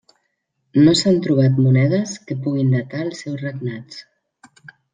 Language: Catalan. No s'han trobat monedes que puguin datar els seus regnats.